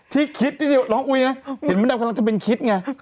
ที่คิดนิดเดียวร้องอุ๊ยนะเห็นมันกำลังจะเป็นคิดไง